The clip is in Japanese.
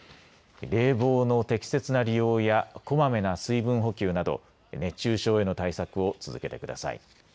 冷房の適切な利用やこまめな水分補給など熱中症への対策を続けてください。